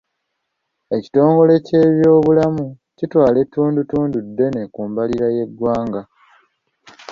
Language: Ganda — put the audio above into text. Ekitongole ky'ebyobulamu kitwala ettundutundu ddene ku mbalirira y'eggwanga.